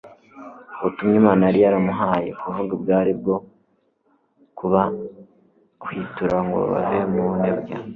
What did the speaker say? Ubutumwa Imana yari yaramuhaye kuvuga bwari ubwo kubahwitura ngo bave mu bunebwe